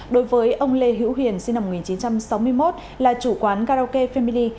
đối với ông lê hữu hiền sinh năm một nghìn chín trăm sáu mươi một là chủ quán karaoke family